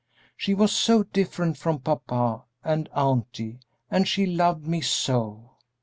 She was so different from papa and auntie, and she loved me so!